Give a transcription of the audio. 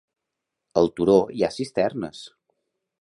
Al turó hi ha cisternes.